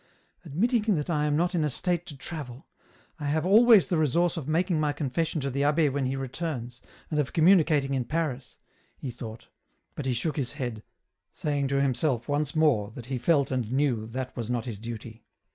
" Admitting that I am not in a state to travel. I have 144 EN ROUTE. always the resource of making my confession to the ahh6 when he returns, and of communicating in Paris," he thought, but he shook his head, saying to himself once more that he felt and knew that was not his duty.